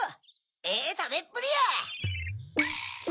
ええたべっぷりや。